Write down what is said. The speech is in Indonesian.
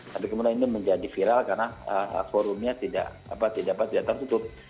tapi kemudian ini menjadi viral karena forumnya tidak tertutup